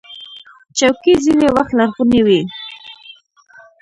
چوکۍ ځینې وخت لرغونې وي.